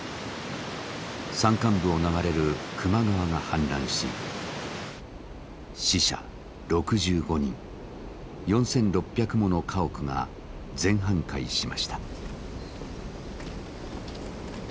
山間部を流れる球磨川が氾濫し死者６５人４，６００もの家屋が全半壊しました。